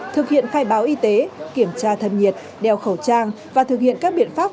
thực hiện khai báo y tế kiểm tra thân nhiệt đeo khẩu trang và thực hiện các biện pháp